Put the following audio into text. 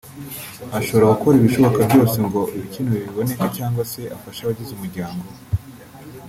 ashobora gukora ibishoboka byose ngo ibikenewe biboneke cyangwa se afashe abagize umuryango